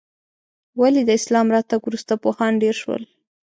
ولې د اسلام راتګ وروسته پوهان ډېر شول؟